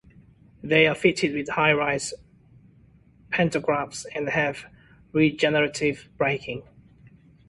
They are fitted with high rise pantographs and have regenerative braking.